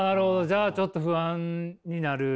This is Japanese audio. じゃあちょっと不安になる。